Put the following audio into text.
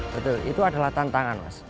betul itu adalah tantangan